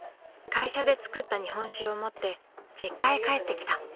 会社で造った日本酒を持って実家へ帰ってきた。